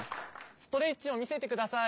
ストレッチをみせてください。